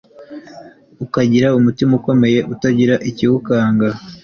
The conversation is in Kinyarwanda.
ukagira umutima ukomeye, utagira ikiwukanga